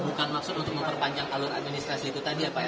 bukan maksud untuk memperpanjang alur administrasi itu tadi ya pak ya